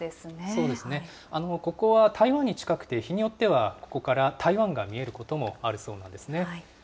そうですね、ここは台湾に近くて、日によっては、ここから台湾が見えることもあるそうなんですね。